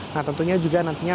nah tentunya juga nantinya